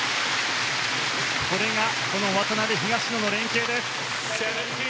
これがこの渡辺、東野の連係です。